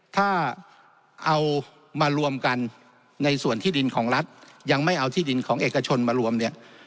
ถ้าเอามารวมกันในส่วนที่ดินของรัฐยังไม่เอาที่ดินของเอกชนมารวมเนี่ย